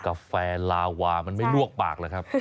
กาแฟลาวามันไม่ลวกปากหรอกครับ